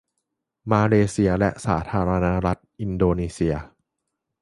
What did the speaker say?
มาเลเซียและสาธารณรัฐอินโดนีเซีย